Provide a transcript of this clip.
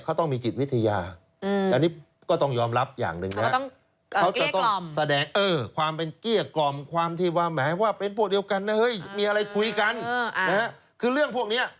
เขาต้องมีจิตวิทยาอืมอันนี้ก็ต้องยอมรับอย่างหนึ่งนะ